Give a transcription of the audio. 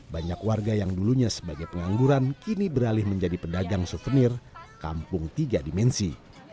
banyak warga yang dulunya sebagai pengangguran kini beralih menjadi pedagang souvenir kampung tiga dimensi